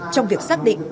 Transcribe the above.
trong việc xác định